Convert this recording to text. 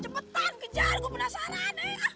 cepetan kejar gua penasaran ya